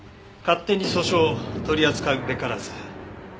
「勝手に訴訟取り扱うべからず」。